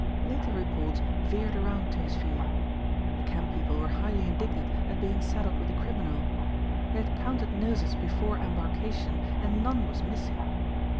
Later reports veered around to his view. The camp people were highly indignant at being saddled with a criminal. They had counted noses before embarkation and none was missing.